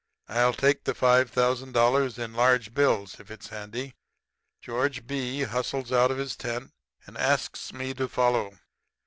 I'll take the five thousand dollars in large bills, if it's handy.' "George B. hustles out of his tent, and asks me to follow.